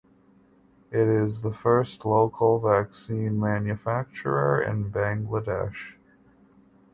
It is the first local vaccine manufacturer in Bangladesh.